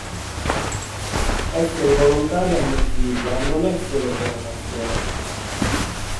Essere volontaria Mozilla non è solo programmazione